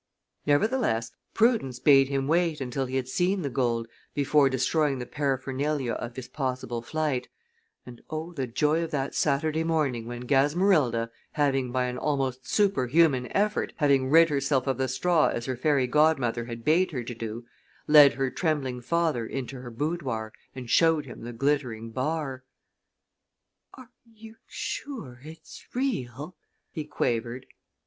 Nevertheless, prudence bade him wait until he had seen the gold before destroying the paraphernalia of his possible flight, and oh, the joy of that Saturday morning, when Gasmerilda, having, by an almost super human effort, having rid herself of the straw as her fairy godmother had bade her to do, led her trembling father into her boudoir and showed him the glittering bar! "Are you sure it's real?" he quavered.